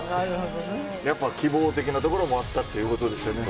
やっぱ希望的なところもあったということですね。